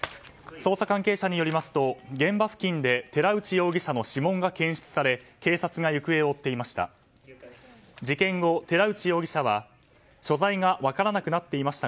捜査関係者によりますと現場付近で寺内容疑者の指紋が検出され警察が行方を追っていました。